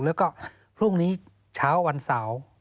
แล้วก็พรุ่งนี้เช้าวันเสาร์